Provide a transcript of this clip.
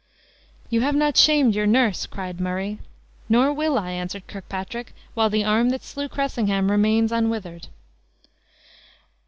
"You have not shamed your nurse!" cried Murray. "Nor will I," answered Kirkpatrick, "while the arm that slew Cressingham remains unwithered."